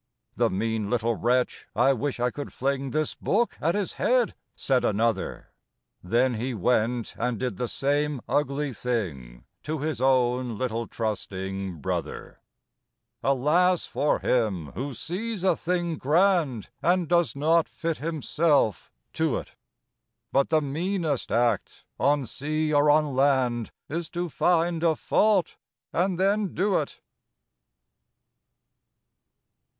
"The mean little wretch, I wish I could fling This book at his head!" said another; Then he went and did the same ugly thing To his own little trusting brother! Alas for him who sees a thing grand And does not fit himself to it! But the meanest act, on sea or on land, Is to find a fault, and then do it!